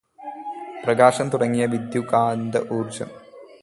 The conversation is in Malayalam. പ്രകാശം തുടങ്ങിയ വിദ്യുദ്കാന്തഊർജം.